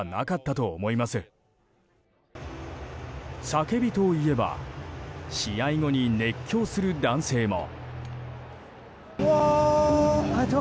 叫びといえば試合後に熱狂する男性も。